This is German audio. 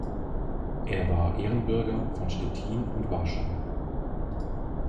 Er war Ehrenbürger von Stettin und Warschau.